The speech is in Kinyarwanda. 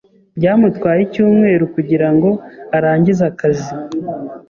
Byamutwaye icyumweru kugirango arangize akazi.